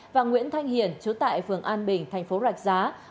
và nguyễn thanh hiền chú tại phường an bình thành phố rạch giá